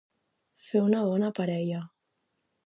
Fer una bona parella.